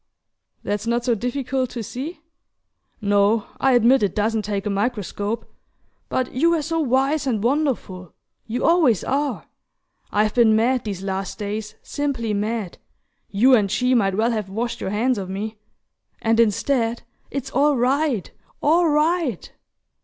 "That's not so difficult to see? No, I admit it doesn't take a microscope. But you were so wise and wonderful you always are. I've been mad these last days, simply mad you and she might well have washed your hands of me! And instead, it's all right all right!"